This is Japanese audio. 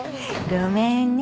ごめんね。